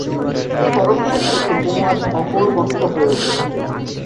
এই পরামর্শের মধ্যে কুমু আজ অপর পক্ষ হয়ে উঠেছে।